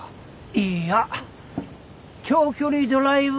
いいや長距離ドライブ中たい。